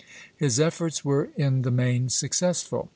His efforts were in the main successful.